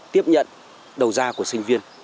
tiếp nhận đầu gia của sinh viên